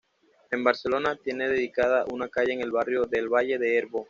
En Barcelona tiene dedicada una calle en el barrio de El Valle de Hebrón.